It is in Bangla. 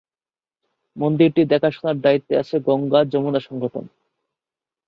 মন্দিরটি দেখাশোনার দায়িত্বে আছে গঙ্গা-যমুনা সংগঠন।